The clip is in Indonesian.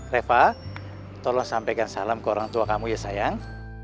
reva tolong sampaikan salam ke orang tua kamu ya sayang